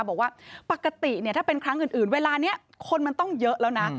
บอกว่าปกติเนี่ยถ้าเป็นครั้งอื่นเวลานี้คนมันต้องเยอะแล้วนะ